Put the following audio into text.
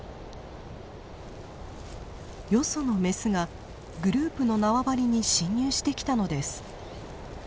よそのメスがグループの縄張りに侵入してきたのです。